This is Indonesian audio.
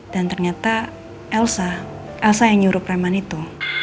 dan ternyata elsa elsa yang nyuruh preman itu